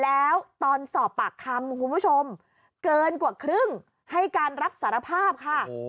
แล้วตอนสอบปากคำคุณผู้ชมเกินกว่าครึ่งให้การรับสารภาพค่ะ